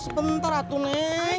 sebentar atu neng